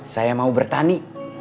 saya mau bertani